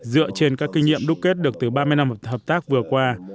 dựa trên các kinh nghiệm đúc kết được từ ba mươi năm hợp tác vừa qua